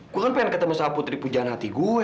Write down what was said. gue kan pengen ketemu sapu teripu jalan hati gue